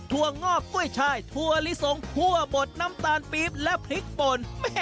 วงอกกล้วยชายถั่วลิสงคั่วบดน้ำตาลปี๊บและพริกป่น